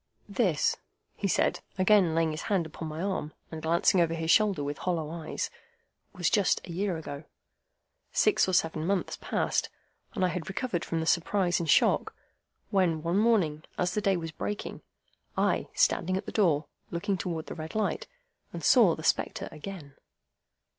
"This," he said, again laying his hand upon my arm, and glancing over his shoulder with hollow eyes, "was just a year ago. Six or seven months passed, and I had recovered from the surprise and shock, when one morning, as the day was breaking, I, standing at the door, looked towards the red light, and saw the spectre again."